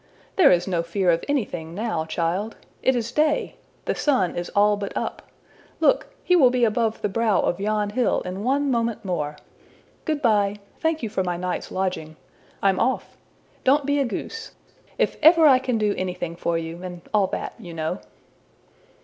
``There is no fear of anything now, child! It is day. The sun is all but up. Look! he will be above the brow of yon hill in one moment more! Good bye. Thank you for my night's lodging. I'm off. Don't be a goose. If ever I can do anything for you and all that, you know!''